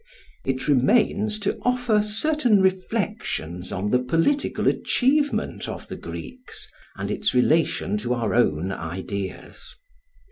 It remains to offer certain reflections on the political achievement of the Greeks, and its relation to our own ideas.